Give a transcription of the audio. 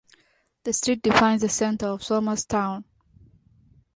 The street defines the centre of Somers Town.